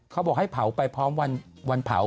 เขาบอกให้เผาไปพร้อมวันเผา